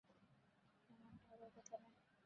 এমনটা হবার কথা না।